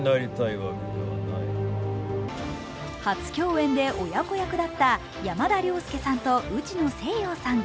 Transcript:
初競演で親子役だった山田涼介さんと内野聖陽さん。